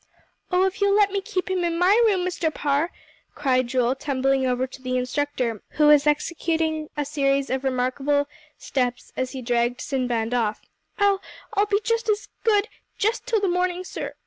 "Oh, if you'll let me keep him in my room, Mr. Parr," cried Joel, tumbling over to the instructor, who was executing a series of remarkable steps as he dragged Sinbad off, "I'll I'll be just as good just till the morning, sir.